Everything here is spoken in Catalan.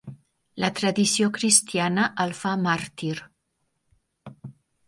La tradició cristiana el fa màrtir.